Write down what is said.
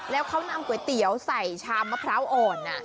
แล้วเขานำก๋วยเตี๋ยวใส่ชามมะพร้าวอ่อน